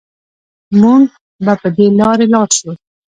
مونږ به په دې لارې لاړ شو